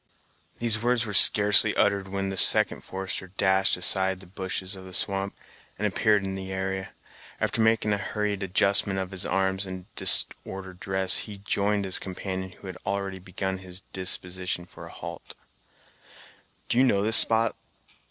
These words were scarcely uttered when the second forester dashed aside the bushes of the swamp, and appeared in the area. After making a hurried adjustment of his arms and disordered dress, he joined his companion, who had already begun his disposition for a halt. "Do you know this spot!"